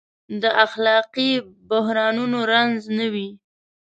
د اخلاقي بحرانونو رنځ نه وي.